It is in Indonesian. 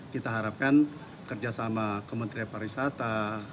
kita harapkan kerjasama kementerian pariwisata